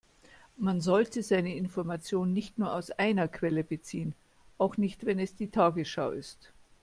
Man sollte seine Informationen nicht nur aus einer Quelle beziehen, auch nicht wenn es die Tagesschau ist.